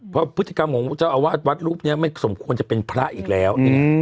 เพราะพฤติกรรมของเจ้าอาวาสวัดรูปนี้ไม่สมควรจะเป็นพระอีกแล้ว